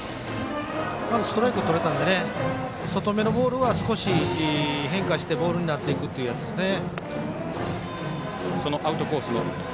まず、ストライクをとれたので外めのボールは少し変化してボールになっていくというやつですね。